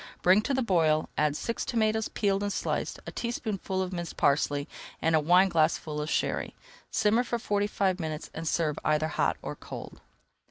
Bring to the boil, add six tomatoes peeled and sliced, a teaspoonful of minced parsley, and a wineglassful of Sherry. Simmer for forty five minutes and serve either hot or cold.